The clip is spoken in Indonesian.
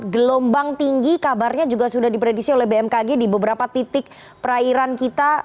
gelombang tinggi kabarnya juga sudah dipredisi oleh bmkg di beberapa titik perairan kita